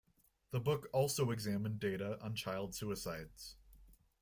The book also examined data on child-suicides.